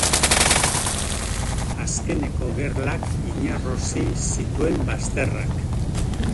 Azkeneko gerlak inarrosi zituen bazterrak.